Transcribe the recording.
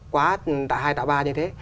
quá tạ hai tạ ba như thế